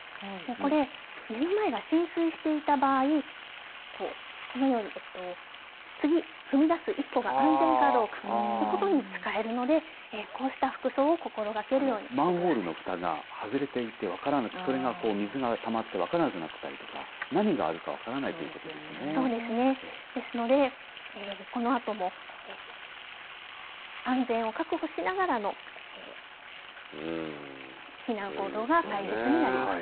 これ、目の前が浸水していた場合このように次踏み出す一歩が安全かどうかということに使えるのでこうした服装をマンホールのふたが外れていて水がたまっていて分からなくなっていたりとかですので、このあとも安全を確保しながらの避難行動が大切になります。